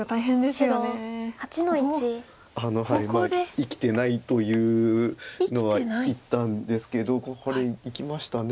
生きてないというのはいったんですけどこれいきましたね。